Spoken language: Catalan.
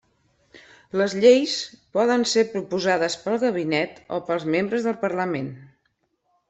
Les lleis poden ser proposades pel gabinet o pels membres del parlament.